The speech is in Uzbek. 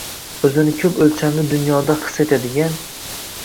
o‘zini ko‘p o‘lchamli dunyoda his etadigan